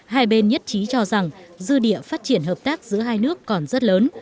hai bên nhất trí cho rằng dư địa phát triển hợp tác giữa hai nước còn rất lớn